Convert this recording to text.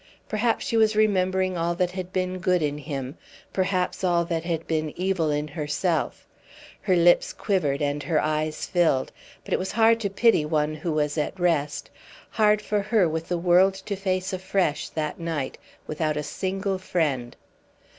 Perhaps she was remembering all that had been good in him, perhaps all that had been evil in herself; her lips quivered, and her eyes filled. But it was hard to pity one who was at rest, hard for her with the world to face afresh that night, without a single friend.